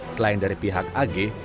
selain dari pihak pengurus